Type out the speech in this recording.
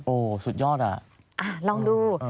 โอ้โหสุดยอดอ่ะลองดู